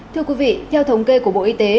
thưa quý vị theo thống kê của bộ y tế